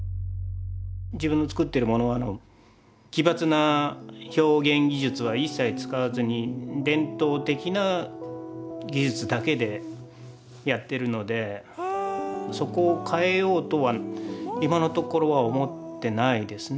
自分の作ってるものは奇抜な表現技術は一切使わずに伝統的な技術だけでやってるのでそこを変えようとは今のところは思ってないですね。